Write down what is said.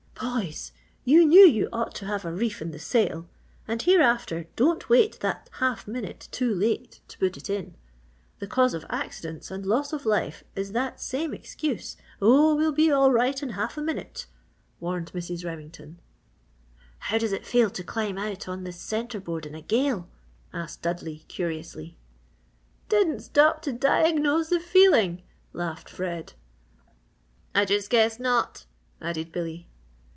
"Boys, you knew you ought to have a reef in the sail, and hereafter, don't wait that half minute too late to put it in. The cause of accidents and loss of life is that same excuse 'oh, we'll be all right in half a minute!'" warned Mrs. Remington. "How does it feel to climb out on the centreboard in a gale?" asked Dudley, curiously. "Didn't stop to diagnose the feeling!" laughed Fred. "I just guess not!" added Billy.